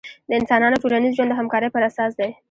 د انسانانو ټولنیز ژوند د همکارۍ پراساس دی.